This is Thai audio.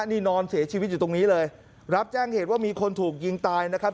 นี่นอนเสียชีวิตอยู่ตรงนี้เลยรับแจ้งเหตุว่ามีคนถูกยิงตายนะครับ